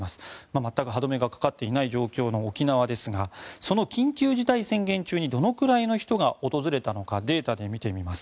全く歯止めがかかっていない状況の沖縄ですがその緊急事態宣言中にどのくらいの人が訪れたのかデータで見てみます。